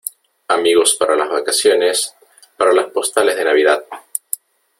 amigos para las vacaciones , para las postales de Navidad